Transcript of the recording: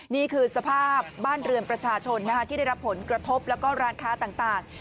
นี่คือสภาพบ้านเรือนประชาชนที่ได้รับผลกระทบแล้วก็ร้านค้าต่าง